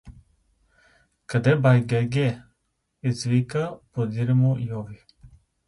— Къде, бай Герге? — извика подире му Йови.